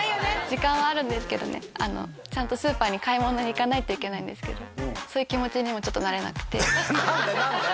時間はあるんですけどねちゃんとスーパーに買い物に行かないといけないんですけどそういう気持ちにもちょっとなれなくて何で？